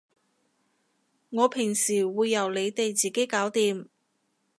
我平時會由你哋自己搞掂